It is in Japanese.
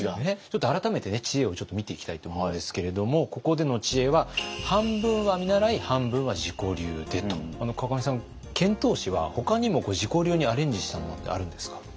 ちょっと改めて知恵を見ていきたいと思うんですけれどもここでの知恵は「半分は見習い半分は自己流で」と。河上さん遣唐使はほかにも自己流にアレンジしたものってあるんですか？